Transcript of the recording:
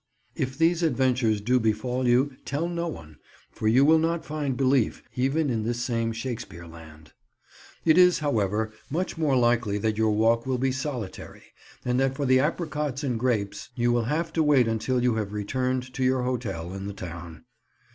If these adventures do befall you, tell no one; for you will not find belief, even in this same Shakespeare land. It is, however, much more likely that your walk will be solitary, and that for the apricots and grapes you will have to wait until you have returned to your hotel in the town.